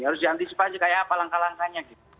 harus diantisipasi kayak apa langkah langkahnya